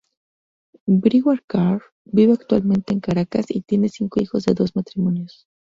Brewer-Carías vive actualmente en Caracas y tiene cinco hijos de dos matrimonios.